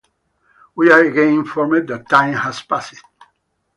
We are again informed that time has passed.